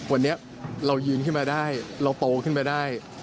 วันนี้เรายืนขึ้นมาได้เราโตขึ้นมาได้